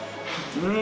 うん！